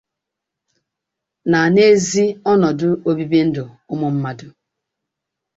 na n'ezi ọnọdụ obibindụ ụmụ mmadụ.